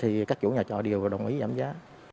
thì các chủ nhà trọ đều đồng ý giảm giá